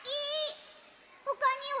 ほかには？